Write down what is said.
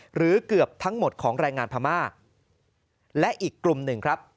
หรือเกือบทั้งหมดของแรงงานพม่าและอีกกลุ่มหนึ่งครับ